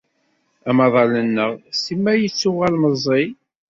Amaḍal-nneɣ simmal yettuɣal meẓẓi.